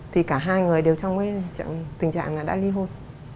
thì cả hai người đều trong tình trạng đã nghi hôn